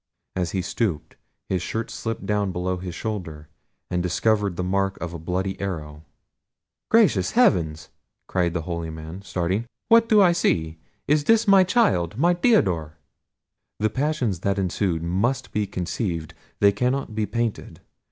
As he stooped, his shirt slipped down below his shoulder, and discovered the mark of a bloody arrow. "Gracious heaven!" cried the holy man, starting; "what do I see? It is my child! my Theodore!" The passions that ensued must be conceived; they cannot be painted.